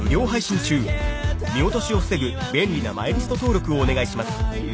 ［見落としを防ぐ便利なマイリスト登録をお願いします］